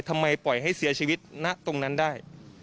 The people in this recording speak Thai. ทำไมปล่อยให้เสียชีวิตณตรงนั้นได้